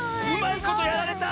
いことやられた！